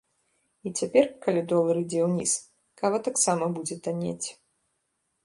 І цяпер, калі долар ідзе ўніз, кава таксама будзе таннець.